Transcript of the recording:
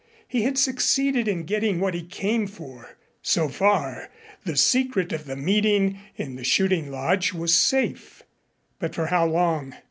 He had succeeded in getting what he came for. So far, the secret of the meeting in the shooting lodge was safe. But for how long?